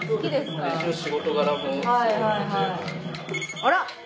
あら！